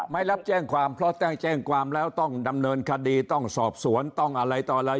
ไม่รับแจ้งความเพราะต้องแจ้งความแล้วต้องดำเนินคดีต้องสอบสวนต้องอะไรต่ออะไร